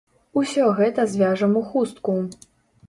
Усё гэта звяжам у хустку.